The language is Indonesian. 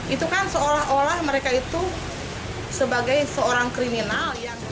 itu kan seolah olah mereka itu sebagai seorang kriminal